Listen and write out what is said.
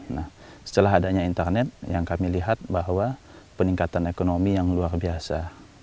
nah setelah adanya internet yang kami lihat bahwa peningkatan ekonomi yang luar biasa